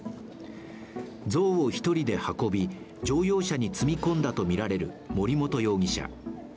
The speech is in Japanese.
像を１人で運び、乗用車に積み込んだとみられる森本容疑者。